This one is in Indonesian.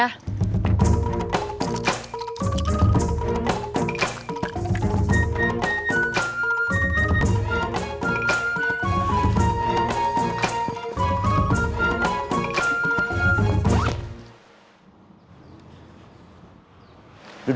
tidak ada yang bisa dihukum